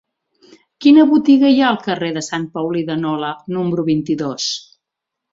Quina botiga hi ha al carrer de Sant Paulí de Nola número vint-i-dos?